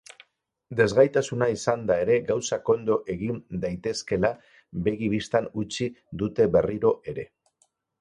Desgaitasuna izanda ere gauzak ondo egin daitezkeela begi bistan utzi dute berriro ere.